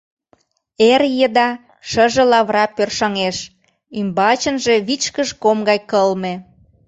Эр еда шыже лавыра пӧршаҥеш, ӱмбачынже вичкыж ком гай кылме.